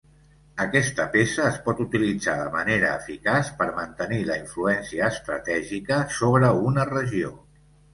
Aquesta peça es pot utilitzar de manera eficaç per mantenir la influència estratègica sobre una regió.